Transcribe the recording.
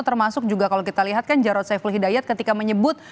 termasuk juga kalau kita lihat kan jarod saiful hidayat ketika menyebut